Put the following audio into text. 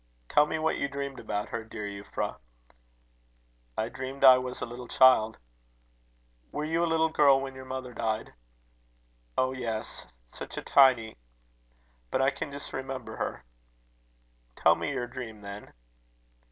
"Tell me what you dreamed about her, dear Euphra." "I dreamed that I was a little child " "Were you a little girl when your mother died?" "Oh, yes; such a tiny! But I can just remember her." "Tell me your dream, then."